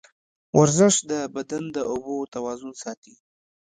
ورزش د بدن د اوبو توازن ساتي.